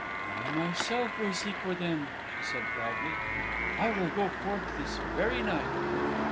"I myself will seek for them," she said proudly. "I will go forth this very night."